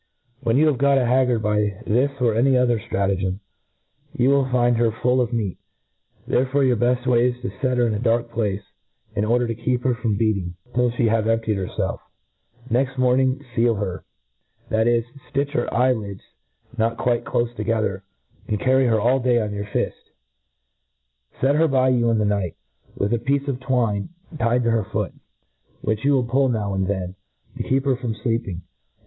When you have got a haggard bji thr§ or by any other llratagem, you will find her full of meat ; therefore your beft way is to fet her in a dark place, in order to keep her from beat ing, till fhe have emptied herfelf. Next morip ing fiel her ; that is, flitch her eye lids not quite clofe together, and carry her all day on yo^r ^' fift, ^MODERN FAULCONRY. i8t *.. fift. Set her by you ia the pight, with a piece of twine tied to her foot, which you will pull now and' then, to keep her from fleeping ; and.